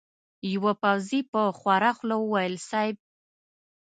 يوه پوځي په خواره خوله وويل: صېب!